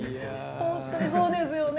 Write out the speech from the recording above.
本当にそうですよね！